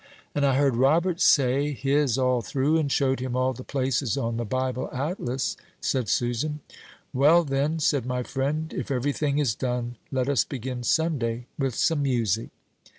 "And I heard Robert say his all through, and showed him all the places on the Bible Atlas," said Susan. "Well, then," said my friend, "if every thing is done, let us begin Sunday with some music."